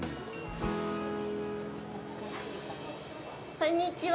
こんにちは。